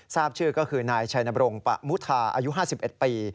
ทราบชื่อก็คือนายชัยนบรงปะมุทาอายุ๕๑ปี